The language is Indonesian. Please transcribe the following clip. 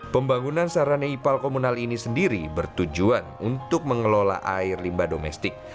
pembangunan sarana ipal komunal ini sendiri bertujuan untuk mengelola air limba domestik